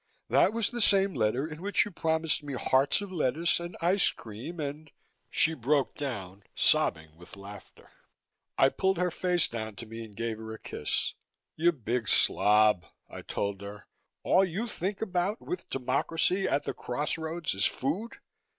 "That was the same letter in which you promised me hearts of lettuce, and ice cream and " she broke down, sobbing with laughter. I pulled her face down to me and gave her a kiss. "You big slob," I told her, "all you think about, with democracy at the crossroads, is food.